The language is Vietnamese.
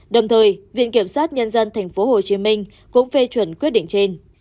đồng thời viện kiểm sát nhân dân tp hcm cũng phê chuẩn quyết định trên